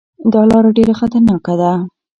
دا لاره ډېره خطرناکه ده.